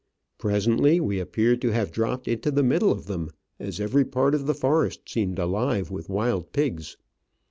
Presently we appeared to have dropped into the middle of them, as every part of the forest seemed alive with wild pigs.